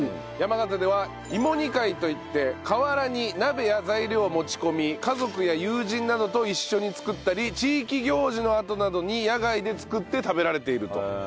山形では芋煮会といって河原に鍋や材料を持ち込み家族や友人などと一緒に作ったり地域行事のあとなどに野外で作って食べられていると。